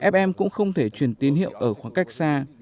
fm cũng không thể truyền tín hiệu ở khoảng cách xa